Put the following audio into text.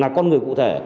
là con người cụ thể